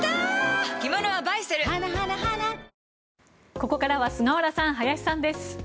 ここからは菅原さん、林さんです。